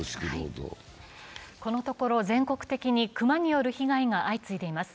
このところ全国的に熊による被害が相次いでいます。